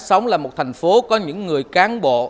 sống là một thành phố có những người cán bộ